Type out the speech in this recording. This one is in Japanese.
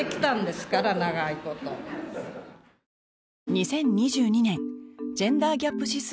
２０２２年ジェンダーギャップ指数